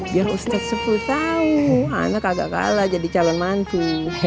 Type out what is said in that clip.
biar ustadz sepuluh tau ana kagak kalah jadi calon mantu